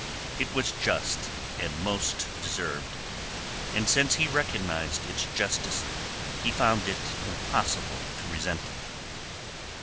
It was just and most deserved, and since he recognized its justice he found it impossible to resent it.